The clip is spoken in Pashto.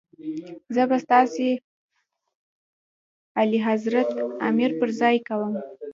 زه به ستاسي اعلیحضرت امر پر ځای کوم.